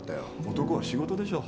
男は仕事でしょ？